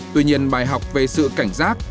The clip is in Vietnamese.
tuy nhiên bài học về sự cảnh giác